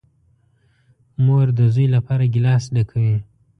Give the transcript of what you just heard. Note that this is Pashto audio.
مور ده زوی لپاره گیلاس ډکوي .